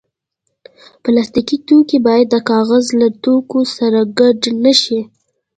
پلاستيکي توکي باید د کاغذ له توکو سره ګډ نه شي.